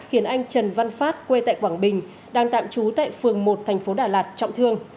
khiến anh trần văn phát quê tại quảng bình đang tạm trú tại phường một thành phố đà lạt trọng thương